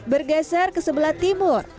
bergeser ke sebelah timur